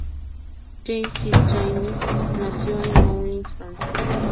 James FitzJames nació en Moulins, Francia.